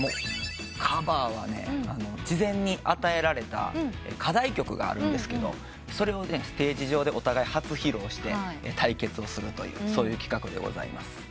カバーは事前に与えられた課題曲があるんですけどそれをステージ上でお互い初披露して対決をするというそういう企画でございます。